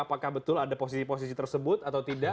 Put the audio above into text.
apakah betul ada posisi posisi tersebut atau tidak